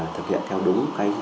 thực hiện theo đúng cây sửa